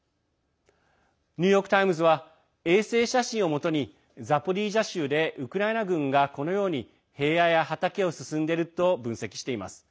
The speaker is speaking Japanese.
ニューヨーク・タイムズは衛星写真をもとにザポリージャ州でウクライナ軍がこのように平野や畑を進んでいると分析しています。